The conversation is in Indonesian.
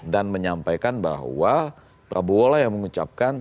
dan menyampaikan bahwa prabowo lah yang mengucapkan